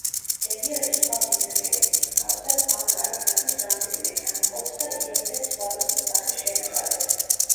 რეგიონის სხვა მდინარეების მსგავსად, ბანგალი გადის რამდენიმე დანაყოფს და იერთებს სხვადასხვა სახის შენაკადებს.